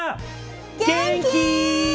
元気？